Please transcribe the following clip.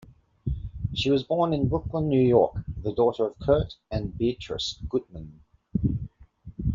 She was born in Brooklyn, New York, the daughter of Kurt and Beatrice Gutmann.